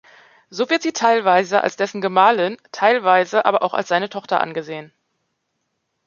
So wird sie teilweise als dessen Gemahlin, teilweise aber auch als seine Tochter angesehen.